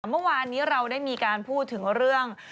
เมื่อวานนี้เราได้มีการพูดถึงเรื่อง